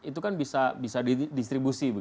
itu kan bisa didistribusi